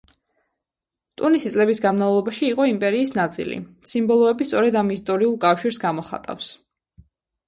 ტუნისი წლების განმავლობაში იყო იმპერიის ნაწილი, სიმბოლოები სწორედ ამ ისტორიულ კავშირს გამოხატავს.